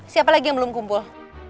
siapa lagi yang belum kumpul